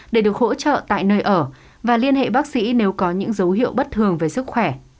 để được hỗ trợ tại nơi ở và liên hệ bác sĩ nếu có những dấu hiệu bất thường về sức khỏe